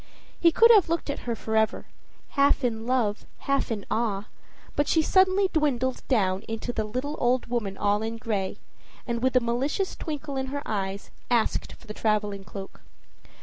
He could have looked at her forever half in love, half in awe; but she suddenly dwindled down into the little old woman all in gray, and, with a malicious twinkle in her eyes, asked for the traveling cloak.